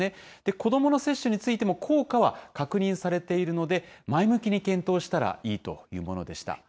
子どもの接種についても、効果は確認されているので、前向きに検討したらいいというものでした。